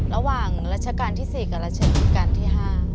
ระหว่างรัชกาลที่๔กับรัชกาลที่๕